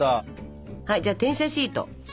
はいじゃあ転写シート。